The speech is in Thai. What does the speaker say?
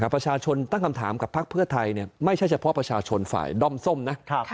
ประชาชนตั้งคำถามกับพักเพื่อไทยไม่ใช่เฉพาะประชาชนฝ่ายด้อมส้มนะ